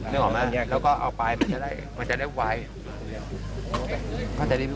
แล้วก็เอาไปมันจะได้ไว